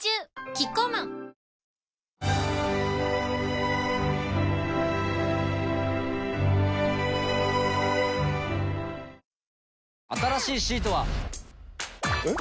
キッコーマン新しいシートは。えっ？